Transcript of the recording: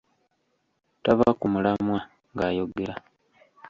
Tava ku mulamwa ng'ayogera.